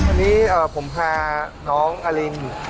วันนี้ผมพาน้องอลิน